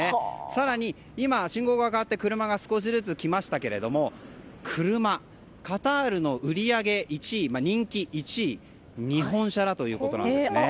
更に今、信号が変わって車が少しずつ来ましたが車、カタールの売り上げ１位人気１位、日本車だということなんですね。